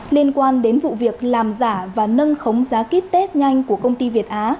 liên quan đến vụ việc làm giả và nâng khống giá kýt test nhanh của công ty việt á